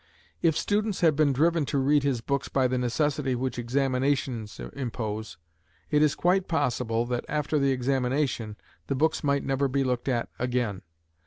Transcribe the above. If students had been driven to read his books by the necessity which examinations impose, it is quite possible, that, after the examination, the books might never be looked at again.